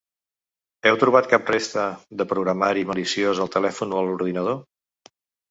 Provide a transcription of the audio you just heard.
Heu trobat cap rastre de programari maliciós al telèfon o a l’ordinador?